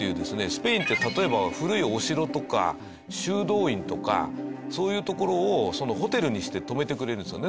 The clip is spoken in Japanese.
スペインって例えば古いお城とか修道院とかそういう所をホテルにして泊めてくれるんですよ。